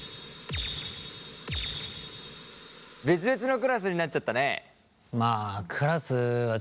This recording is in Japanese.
別々のクラスになっちゃったね。